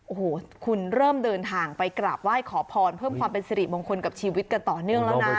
โอ้โหคุณเริ่มเดินทางไปกราบไหว้ขอพรเพิ่มความเป็นสิริมงคลกับชีวิตกันต่อเนื่องแล้วนะ